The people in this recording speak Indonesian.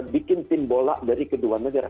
bikin tim bola dari kedua negara